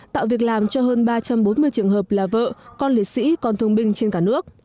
tạo việc làm cho hơn ba trăm bốn mươi trường hợp là vợ con liệt sĩ con thương binh trên cả nước